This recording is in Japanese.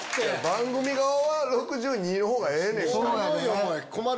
番組側は６２の方がええねんから。